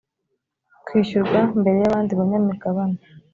kwishyurwa mbere y abandi banyamigabane